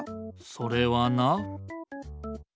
それはな。